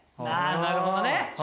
なるほどね。